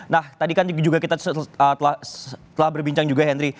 nah tadi kan juga kita telah berbincang juga henry